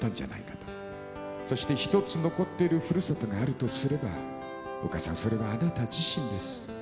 そして一つ残っている故郷があるとすればお母さんそれはあなた自身です。